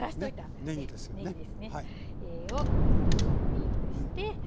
トッピングして。